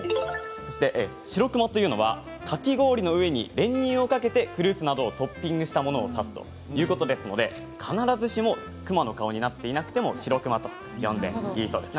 しろくまというのはかき氷の上に練乳をかけてフルーツなどをトッピングしたものを指すということですので必ずしも熊の顔になっていなくてもしろくまと呼んでいいそうです。